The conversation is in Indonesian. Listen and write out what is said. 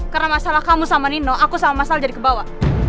karena masalah kamu sama nino aku sama masalah jadi kebawa